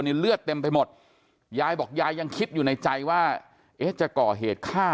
เลือดเต็มไปหมดยายบอกยายยังคิดอยู่ในใจว่าเอ๊ะจะก่อเหตุฆ่า